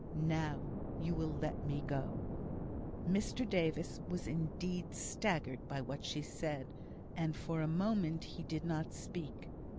Now! you will let me go!" Mr Davis was indeed staggered by what she said, and for a moment he did not speak.